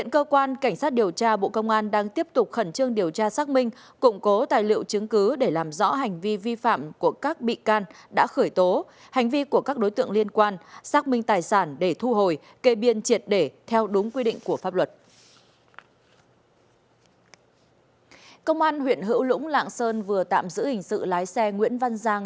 công an huyện hữu lũng lạng sơn vừa tạm giữ hình sự lái xe nguyễn văn giang